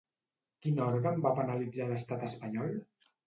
Quin òrgan va penalitzar a l'estat espanyol?